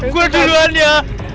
gue duluan ya